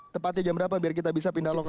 tepatnya jam berapa biar kita bisa pindah lokasi